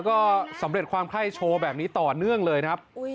เขาก็เลยยืนแอ่นแล้วก็สำเร็จความไข้โชว์แบบนี้ต่อเนื่องเลยนะครับ